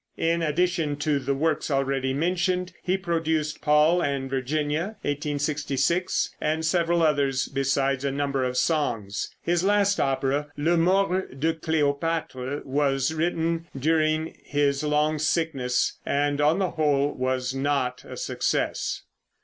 In addition to the works already mentioned he produced "Paul and Virginia" (1866), and several others, besides a number of songs. His last opera, "Le Mort de Cleopatre," was written during his long sickness, and on the whole was not a success.